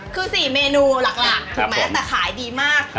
คือ๔เมนูหลักถูกไหมแต่ขายดีมาก